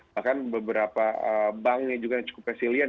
bahkan beberapa bank yang cukup kesilian